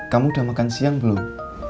kamu udah makan siang belum